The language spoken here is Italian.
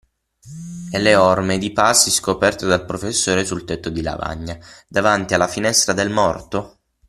E le orme di passi scoperte dal professore sul tetto di lavagna, davanti alla finestra del morto?